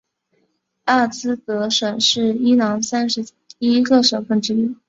亚兹德省是伊朗三十一个省份之一。